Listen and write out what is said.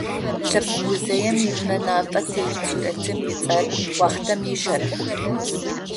Лъэпкъ музейм иунэ натӏэ тет сурэтым ыцӏэр «Уахътэм ищэрэхъ».